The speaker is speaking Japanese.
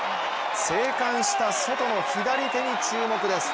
生還したソトの左手に注目です。